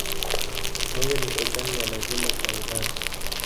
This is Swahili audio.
Moyo ni ogani ya lazima kwa uhai.